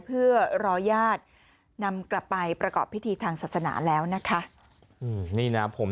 เพื่อรอญาตินำกลับไปประกอบพิธีทางศาสนาแล้วนะคะ